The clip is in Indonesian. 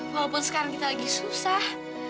walaupun sekarang kita lagi susah